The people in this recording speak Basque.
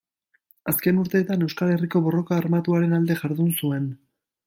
Azken urteetan Euskal Herriko borroka armatuaren alde jardun zuen.